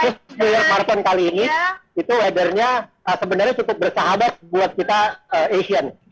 khusus new york marathon kali ini itu weather nya sebenarnya cukup bersahabat buat kita asian